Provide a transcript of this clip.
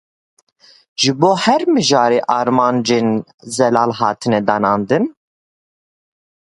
Ji bo her mijarê armancên zelal hatine danandin?